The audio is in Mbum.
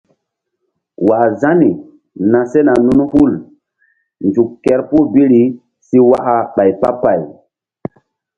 ̰wah Zani na sena nun hul nzuk kerpuh biri si waka ɓay pah pay.